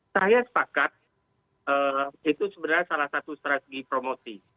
saya sepakat itu sebenarnya salah satu strategi promosi